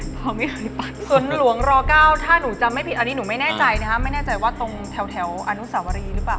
พอไม่เคยไปสวนหลวงร๙ถ้าหนูจำไม่ผิดอันนี้หนูไม่แน่ใจนะฮะไม่แน่ใจว่าตรงแถวอนุสาวรีหรือเปล่า